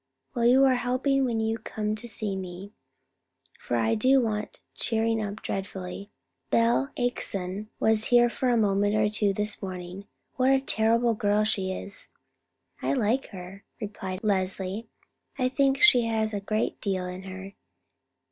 "Well, you are helping when you come to see me, for I do want cheering up dreadfully. Belle Acheson was here for a moment or two this morning. What a terrible girl she is!" "I like her," replied Leslie. "I think she has a great deal in her.